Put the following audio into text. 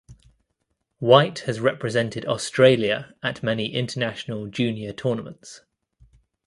White has represented Australia at many international junior tournaments.